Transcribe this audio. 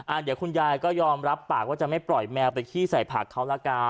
เดี๋ยวคุณยายก็ยอมรับปากว่าจะไม่ปล่อยแมวไปขี้ใส่ผักเขาละกัน